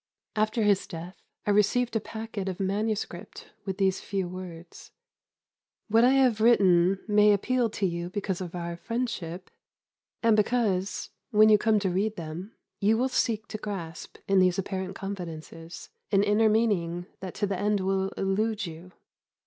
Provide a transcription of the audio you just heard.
After his death I received a packet of manuscript with these few words: "What I have written may appeal to you because of our friendship, and because, when you come to read them, you will seek to grasp, in these apparent confidences, an inner meaning that to the end will elude you.